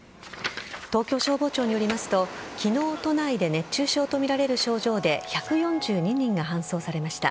東京消防庁によりますと昨日、都内で熱中症とみられる症状で１４２人が搬送されました。